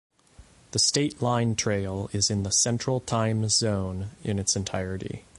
The State Line Trail is in the Central Time Zone in its entirety.